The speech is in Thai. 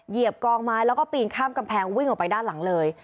เหยียบกองไม้แล้วก็ปีนข้ามกำแพงวิ่งออกไปด้านหลังเลย